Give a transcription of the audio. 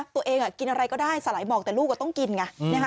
ตัวเองกินอะไรก็ได้สลายหมอกแต่ลูกต้องกินไง